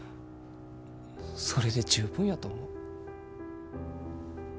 それで十分やと思う。